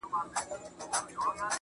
سپوږميه کړنگ وهه راخېژه وايم~